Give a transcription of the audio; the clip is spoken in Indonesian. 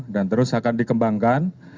dan terus akan dikembangkan